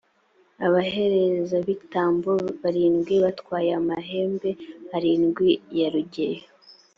abaherezabitambo barindwi batwaye amahembe arindwi ya rugeyo.